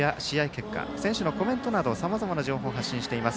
結果選手のコメントなどさまざまな情報を発信しています。